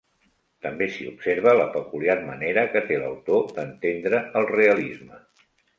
També s'hi observa la peculiar manera que té l'autor d'entendre el realisme.